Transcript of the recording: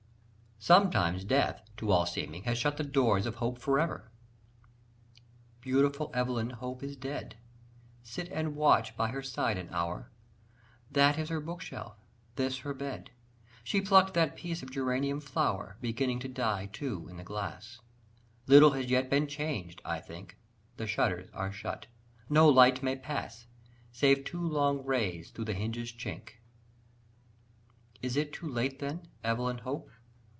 Sometimes death, to all seeming, has shut the doors of hope for ever: Beautiful Evelyn Hope is dead! Sit and watch by her side an hour. That is her book shelf, this her bed; She plucked that piece of geranium flower, Beginning to die too in the glass; Little has yet been changed, I think: The shutters are shut, no light may pass Save two long rays thro' the hinge's chink. Is it too late then, Evelyn Hope?